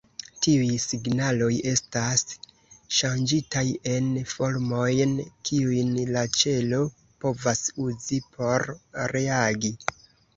Tiuj signaloj estas ŝanĝitaj en formojn, kiujn la ĉelo povas uzi por reagi.